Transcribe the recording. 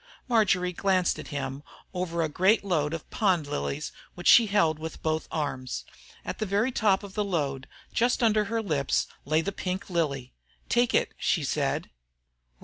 Marjory glanced at him over a great load of pond lilies which she held with both arms. At the very top of the load, just under her lips, lay the pink lily. "Take it," she said.